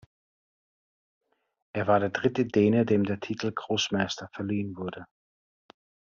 Er war der dritte Däne, dem der Titel Großmeister verliehen wurde.